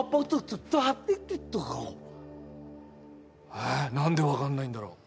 え何で分かんないんだろう